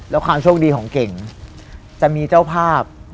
แล้วความโชคดีของเก่งจะมีเจ้าภาพ